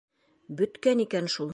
Бөткән икән шул!